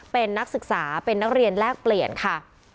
เป็นนักศึกษาเป็นนักเรียนแลกเปลี่ยนค่ะ